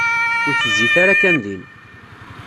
Ur tezzit ara kan din.